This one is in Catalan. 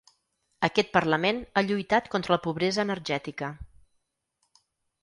Aquest parlament ha lluitat contra la pobresa energètica.